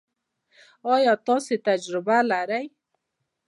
ایا تاسو تجربه لرئ؟